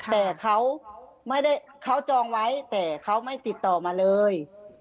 แต่เขาจองไว้แต่เขาไม่ติดต่อมาเลย